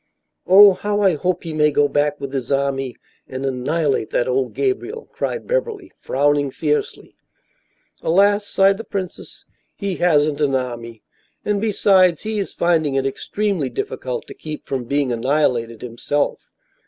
"Oh, how I hope he may go back with his army and annihilate that old Gabriel!" cried Beverly, frowning fiercely. "Alas," sighed the princess, "he hasn't an army, and besides he is finding it extremely difficult to keep from being annihilated himself.